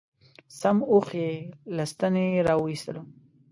سم اوښ یې له ستنې را و ایستلو.